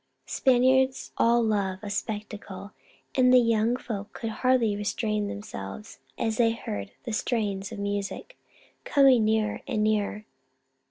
Spaniards all love a spectacle, and the young folk could hardly restrain themselves as they heard the strains of music coming nearer and nearer.